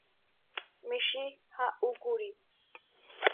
Michĩ ha'úkuri.